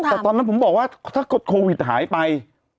แต่ตอนนั้นผมบอกว่าถ้าเกิดโควิดหายไป